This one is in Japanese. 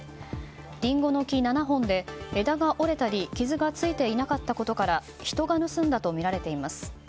リンゴの木７本で枝が折れたり傷がついていなかったことから人が盗んだとみられています。